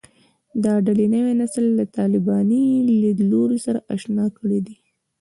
دا ډلې نوی نسل له طالباني لیدلوري سره اشنا کړی دی